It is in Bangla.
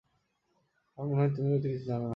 আমার মনে হয় তুমিও কিছু জানো না।